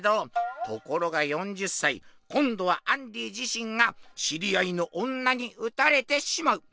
ところが４０歳こんどはアンディ自身が知り合いの女に撃たれてしまう。